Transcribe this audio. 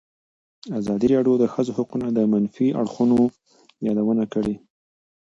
ازادي راډیو د د ښځو حقونه د منفي اړخونو یادونه کړې.